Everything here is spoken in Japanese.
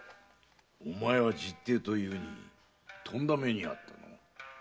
お前は実弟というにとんだ目に遭ったのう。